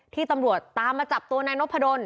ที่ตำรวจตามมาจับตัวนายนพดล